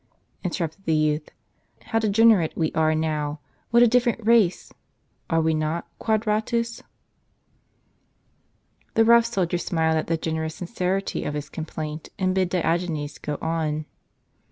interrupted the youth ;" how degenerate we are now ! What a different race ! Are we not, Quadratus?" The rough soldier smiled at the generous sincerity of his complaint, and bid Diogenes go on.